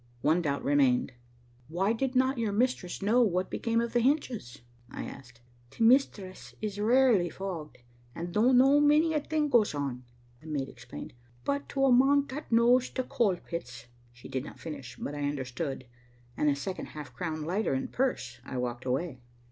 One doubt remained. "Why did not your mistress know what became of the hinges?" I asked. "T' mistress is rarely fogged, and doan't know many a thing goes on," the maid explained. "But to a man thot knows t' Coal pits " She did not finish, but I understood, and a second half crown lighter in purse, I walked away.